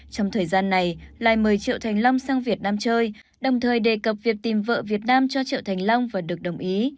trong thời gian này lai mời triệu thành long sang việt nam chơi đồng thời đề cập việc tìm vợ việt nam cho triệu thành long và được đồng ý